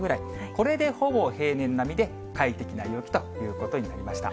これでほぼ平年並みで快適な陽気ということになりました。